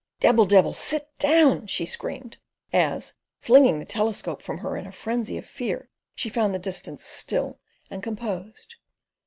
"Debbil debbil, sit down," she screamed, as, flinging the telescope from her in a frenzy of fear, she found the distance still and composed.